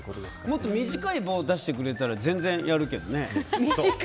もっと短い棒を出してくれたら全然やるけどね。